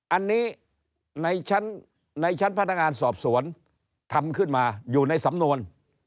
อันนี้ในชั้นพนักงานสอบสวนทำขึ้นมาอยู่ในสำนวน